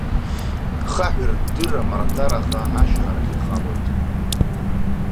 Хаҳәырддыра мардараха ашьхарахь ихалоит.